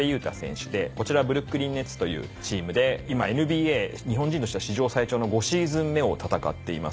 こちらブルックリン・ネッツというチームで今ＮＢＡ日本人としては史上最長の５シーズン目を戦っています。